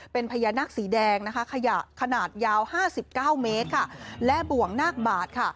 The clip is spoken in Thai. เป็นพญานักสีแดงขนาดยาว๕๙เมกต์และบวงนาคบาท